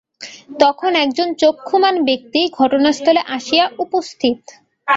তখন একজন চক্ষুষ্মান ব্যক্তি ঘটনাস্থলে আসিয়া উপস্থিত।